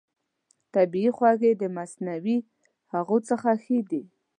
طبیعي خوږې د مصنوعي هغو څخه ښه دي.